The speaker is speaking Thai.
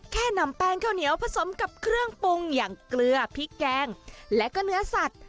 นำแป้งข้าวเหนียวผสมกับเครื่องปรุงอย่างเกลือพริกแกงและก็เนื้อสัตว์